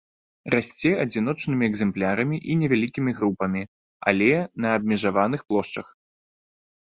Расце адзіночнымі экземплярамі і невялікімі групамі, але на абмежаваных плошчах.